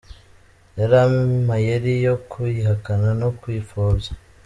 Yari amayeri yo kuyihakana no kuyipfobya.